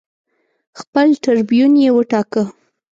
خپل ټربیون یې وټاکه